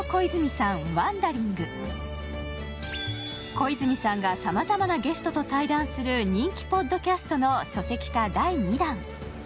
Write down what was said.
小泉さんがさまざまなゲストと対談する人気ポッドキャストの書籍化第２弾。